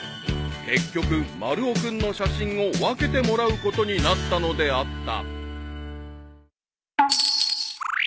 ［結局丸尾君の写真を分けてもらうことになったのであった］